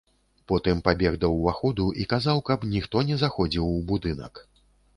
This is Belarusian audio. Потым пабег да ўваходу і казаў, каб ніхто не заходзіў у будынак.